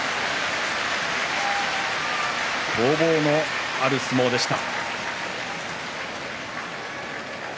攻防のある相撲でした。